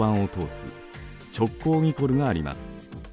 直交ニコルがあります。